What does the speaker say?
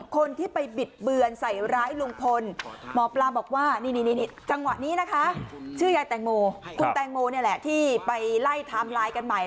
คนที่ไปบิดเบือนใส่ร้ายลุงพลหมอปลาบอกว่านี่จังหวะนี้นะคะชื่อยายแตงโมคุณแตงโมนี่แหละที่ไปไล่ไทม์ไลน์กันใหม่